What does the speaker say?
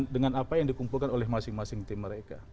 dan apa yang dikumpulkan oleh masing masing tim mereka